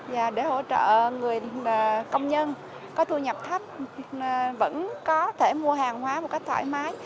và để hỗ trợ công nhân có thu nhập thấp vẫn có thể mua hàng hóa một cách thoải mái